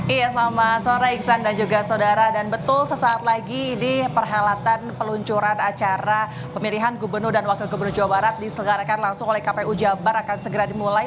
iya selamat sore iksan dan juga saudara dan betul sesaat lagi ini perhelatan peluncuran acara pemilihan gubernur dan wakil gubernur jawa barat diselenggarakan langsung oleh kpu jabar akan segera dimulai